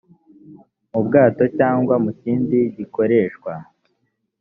mu bwato cyangwa mu kindi gikoreshwa